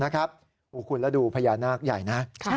คุณแล้วดูพญานาคใหญ่นะ